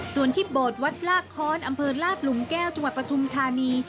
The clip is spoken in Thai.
ส่วนที่โบสถ์วัดลากค้อนอำเภอลาดหลุมแก้วจังหวัดปฐุมธานี